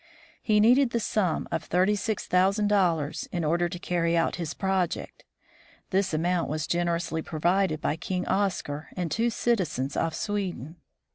He needed the sum of $36,000 in order to carry out his project. This amount was generously provided by King Oscar and two citizens of Sweden.